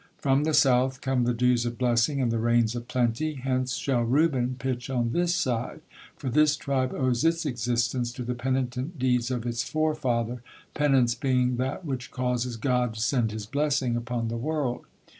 From the South come the dews of blessing and the rains of plenty, hence shall Reuben pitch on this side, for this tribe owes its existence to the penitent deeds of its forefather, penance being that which causes God to send His blessing upon the world.